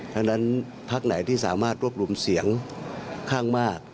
ดังนั้นพักไหนที่สามารถรวบรวมเสียงข้างมาก